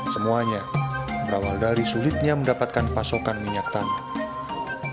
semuanya berawal dari sulitnya mendapatkan pasokan minyak tanah